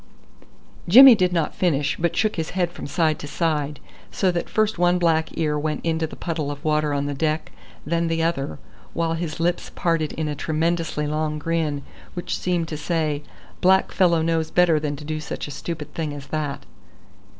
Jimmy did not finish, but shook his head from side to side, so that first one black ear went into the puddle of water on the deck, then the other, while his lips parted in a tremendously long grin, which seemed to say, "Black fellow knows better than to do such a stupid thing as that."